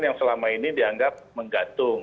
yang selama ini dianggap menggantung